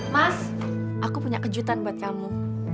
mas aku punya kejutan buat kamu